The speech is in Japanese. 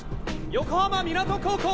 横浜湊高校。